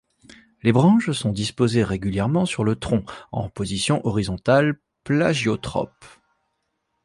Les branches sont disposées régulièrement sur le tronc en position horizontale plagiotrope.